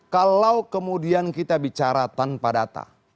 kalau kemudian kita bicara tanpa data